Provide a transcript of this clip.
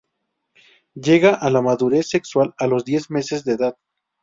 Llega a la madurez sexual a los diez meses de edad.